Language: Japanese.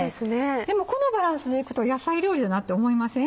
でもこのバランスでいくと野菜料理だなって思いません？